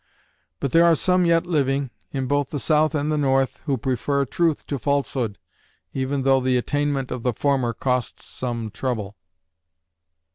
But there are some yet living, in both the South and the North, who prefer truth to falsehood, even though the attainment of the former costs some trouble.